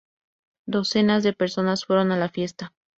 Docenas de personas fueron a la fiesta.